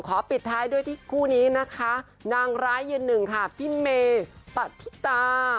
ปิดท้ายด้วยที่คู่นี้นะคะนางร้ายยืนหนึ่งค่ะพี่เมปฏิตา